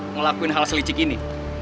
ngelakuin hal selicik ini